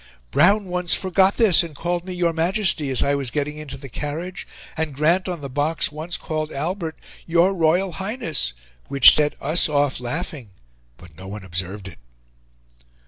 Brown once forgot this and called me 'Your Majesty' as I was getting into the carriage, and Grant on the box once called Albert 'Your Royal Highness,' which set us off laughing, but no one observed it."